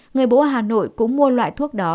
người bố ở hà nội cũng mua loại thuốc đó